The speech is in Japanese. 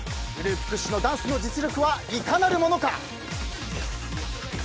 グループ屈指のダンスの実力はいかなるものか。